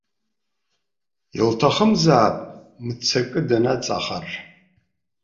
Илҭахызаап мцакы днаҵахар.